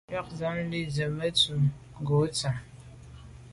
Wù z’a lèn ju ze me te num nko’ tshan à.